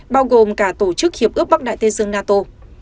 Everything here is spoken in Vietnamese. bao gồm cả tổ chức hiệp ước bắc đại tây dương nato